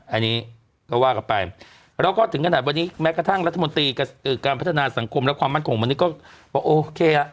อันนี้ก็ว่ากันไปแล้วก็ถึงขนาดวันนี้แม้กระทั่งรัฐมนตรีการพัฒนาสังคมและความมั่นคงมนุษย์ก็บอกโอเคอ่ะ